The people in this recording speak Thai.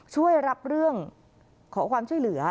ช่วยรับเรื่องขอความช่วยเหลือ